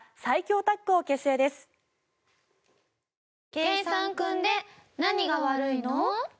計算くんで何が悪いの？